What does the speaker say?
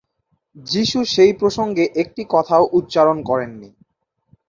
যিশু সেই প্রসঙ্গে একটি কথাও উচ্চারণ করেননি।